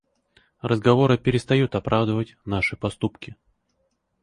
Разговоры перестают оправдывать наши поступки.